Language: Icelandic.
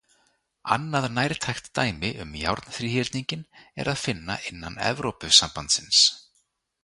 Annað nærtækt dæmi um járnþríhyrninginn er að finna innan Evrópusambandsins.